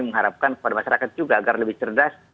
mengharapkan kepada masyarakat juga agar lebih cerdas